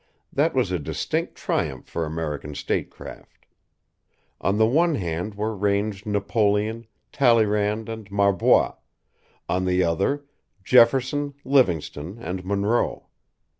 That was a distinct triumph for American statecraft. On the one hand were ranged Napoleon, Talleyrand, and Marbois; on the other, Jefferson, Livingston, and Monroe.